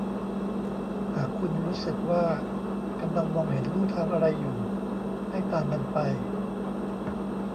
หากคุณรู้สึกว่ากำลังมองเห็นลู่ทางอะไรอยู่ให้ตามมันไป